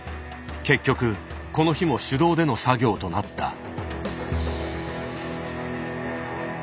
結局この日も手動での作業となった。